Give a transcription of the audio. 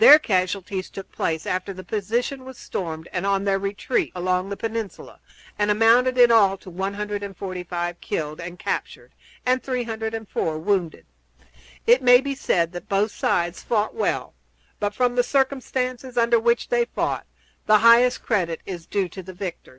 Their casualties took place after the position was stormed and on their retreat along the peninsula, and amounted in all to 145 killed and captured and 304 wounded. It may be said that both sides fought well; but, from the circumstances under which they fought, the highest credit is due to the victors.